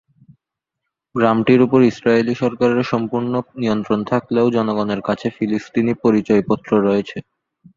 গ্রামটির উপর ইসরায়েলি সরকারের সম্পূর্ণ নিয়ন্ত্রণ থাকলেও, জনগণের কাছে ফিলিস্তিনি পরিচয়পত্র রয়েছে।